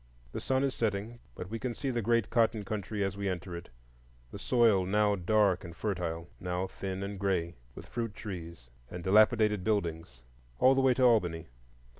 The sun is setting, but we can see the great cotton country as we enter it,—the soil now dark and fertile, now thin and gray, with fruit trees and dilapidated buildings,—all the way to Albany.